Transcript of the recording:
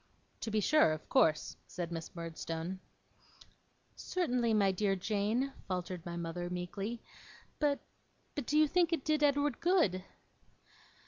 'To be sure; of course,' said Miss Murdstone. 'Certainly, my dear Jane,' faltered my mother, meekly. 'But but do you think it did Edward good?